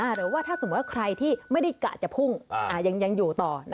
หรือว่าถ้าสมมุติว่าใครที่ไม่ได้กะจะพุ่งยังอยู่ต่อ